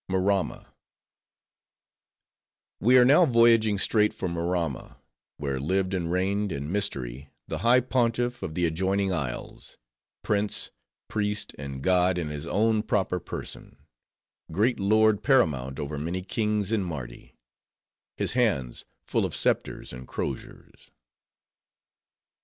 Maramma We were now voyaging straight for Maramma; where lived and reigned, in mystery, the High Pontiff of the adjoining isles: prince, priest, and god, in his own proper person: great lord paramount over many kings in Mardi; his hands full of scepters and crosiers.